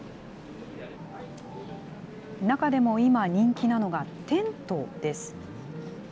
中でも今、人気なのがテントです。